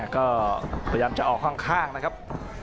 ก็พยายามจะออกข้างนะครับ